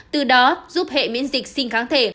từ đó giúp hệ miễn dịch sinh kháng thể